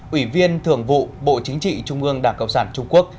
ủy viên thường vụ bộ chính trị trung ương đảng cộng sản trung quốc